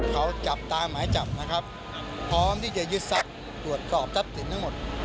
เขาจับตามหมายจับนะครับพร้อมที่จะยึดทรัพย์ตรวจสอบทรัพย์สินทั้งหมด